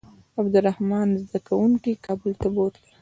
عبدالرحمن زده کوونکي کابل ته بوتلل.